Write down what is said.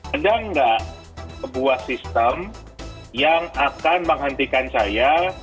ada nggak sebuah sistem yang akan menghentikan saya